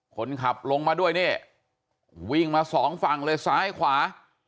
คนขับลงมาด้วยนี่วิ่งมาสองฝั่งเลยซ้ายขวา